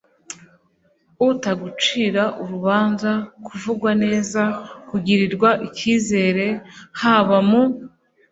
utagucira urubanza, kuvugwa neza, kugirirwa ikizere, haba mu